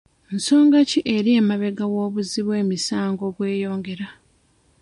Nsonga ki eri emabega w'obuzzi bw'emisango obweyongera?